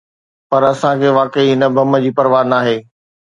پر اسان کي واقعي هن بم جي پرواهه ناهي.